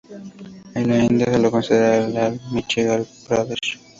En la India se lo considera el de Himachal Pradesh.